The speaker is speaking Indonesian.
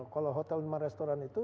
kalau hotel lima restoran itu